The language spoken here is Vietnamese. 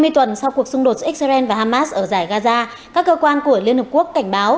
hai mươi tuần sau cuộc xung đột giữa israel và hamas ở giải gaza các cơ quan của liên hợp quốc cảnh báo